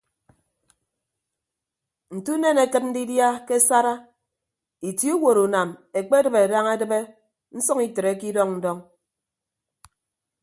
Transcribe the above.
Nte unen akịt ndidia ke asara itie uwotunam ekpedịbe daña edịbe nsʌñ itreke idọñ ndọñ.